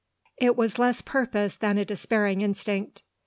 It was less purpose than a despairing instinct.